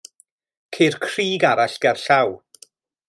Ceir crug arall gerllaw.